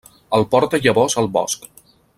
El porta llavors al bosc.